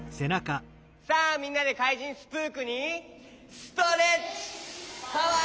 さあみんなでかいじんスプークにストレッチパワー！